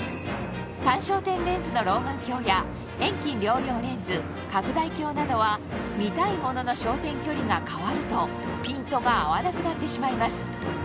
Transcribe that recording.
単焦点レンズの老眼鏡や遠近両用レンズ拡大鏡などは見たいものの焦点距離が変わるとピントが合わなくなってしまいます